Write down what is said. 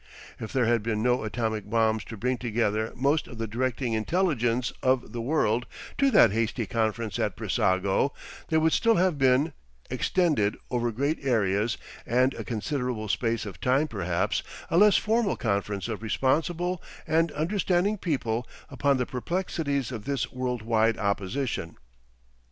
If there had been no atomic bombs to bring together most of the directing intelligence of the world to that hasty conference at Brissago, there would still have been, extended over great areas and a considerable space of time perhaps, a less formal conference of responsible and understanding people upon the perplexities of this world wide opposition.